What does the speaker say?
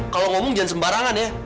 kalau ngomong jangan sembarangan ya